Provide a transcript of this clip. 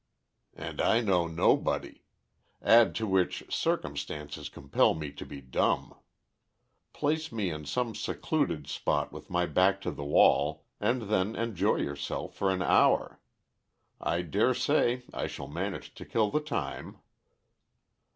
"And I know nobody; add to which circumstances compel me to be dumb. Place me in some secluded spot with my back to the wall, and then enjoy yourself for an hour. I dare say I shall manage to kill the time."